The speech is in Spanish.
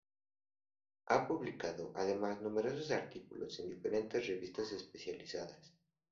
Ha publicado además numerosos artículos en diferentes revistas especializadas.